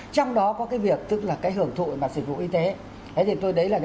trong đó có cái việc tức là cái hưởng thụ mà sử dụng y tế